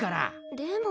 でも。